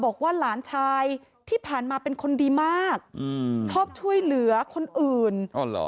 บอกว่าหลานชายที่ผ่านมาเป็นคนดีมากอืมชอบช่วยเหลือคนอื่นอ๋อเหรอ